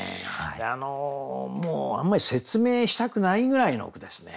あのもうあんまり説明したくないぐらいの句ですね。